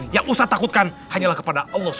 yang ustadz takutkan hanyalah kepada allah swt